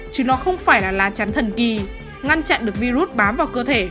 chứ nó không phải là lá chắn thần kỳ ngăn chặn được virus bám vào cơ thể